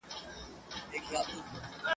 نور به مي زمانه ته شاګرد زه به استاد سمه !.